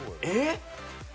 えっ？